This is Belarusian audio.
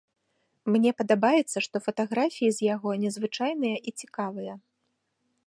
Мне падабаецца, што фатаграфіі з яго незвычайныя і цікавыя.